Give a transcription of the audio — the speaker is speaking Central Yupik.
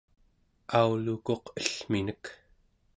aulukuq ellminek